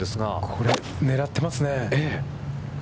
これ、狙ってますね。